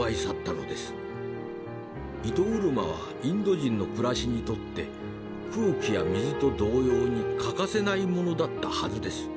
糸車はインド人の暮らしにとって空気や水と同様に欠かせないものだったはずです。